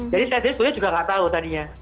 jadi saya sebetulnya juga tidak tahu tadinya